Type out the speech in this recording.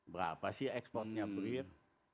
berapa sih ekspornya bir